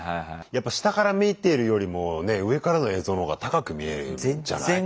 やっぱ下から見てるよりもね上からの映像の方が高く見えるんじゃない？